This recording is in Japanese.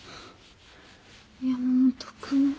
山本君。